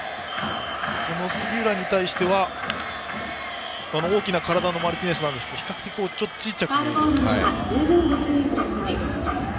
杉浦に対しては大きな体のマルティネスですが比較的小さく見えるような。